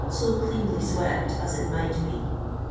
♦■o cleanly swept as it niii:ht be.